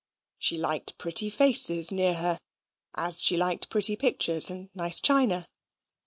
She liked pretty faces near her; as she liked pretty pictures and nice china.